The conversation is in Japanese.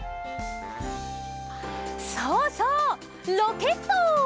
そうそうロケット！